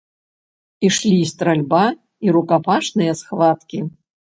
Ішлі стральба і рукапашныя схваткі.